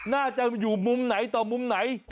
น่าจะอยู่มุมไหนต่อมุมไหน